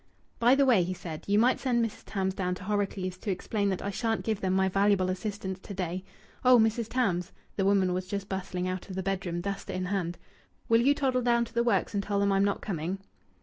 "By the way," he said, "you might send Mrs. Tams down to Horrocleave's to explain that I shan't give them my valuable assistance to day.... Oh! Mrs. Tams" the woman was just bustling out of the bedroom, duster in hand "will you toddle down to the works and tell them I'm not coming?"